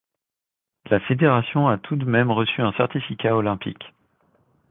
La fédération a tout de même reçu un certificat olympique.